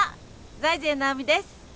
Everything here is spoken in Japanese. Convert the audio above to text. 財前直見です。